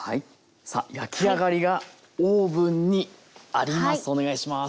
さあ焼き上がりがオーブンにあります。